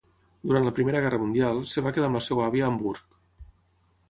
Durant la Primera Guerra Mundial, es va quedar amb la seva àvia a Hamburg.